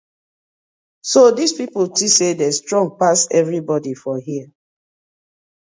So dis pipu tink say dem strong pass everibodi for here.